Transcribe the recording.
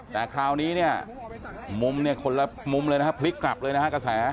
แต่คราวนี้เนี่ยมุมเนี่ยคนละมุมเลยนะฮะพลิกกลับเลยนะฮะกระแส